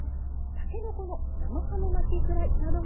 たけのこの生ハム巻きフライなども載っています。